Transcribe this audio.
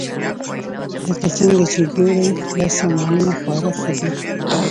لکه څنګه چې ګورئ دا سامانونه خورا ښه دي